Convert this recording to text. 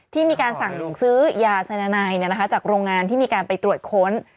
ที่มีการสั่งซื้อยาสายนายจากโรงงานที่มีการไปตรวจค้น